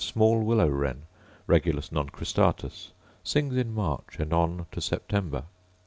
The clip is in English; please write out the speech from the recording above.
Small willow wren, Regulus non cristatus: Sings in March and on to September.